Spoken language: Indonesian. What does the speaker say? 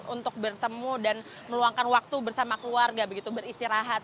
untuk bertemu dan meluangkan waktu bersama keluarga begitu beristirahat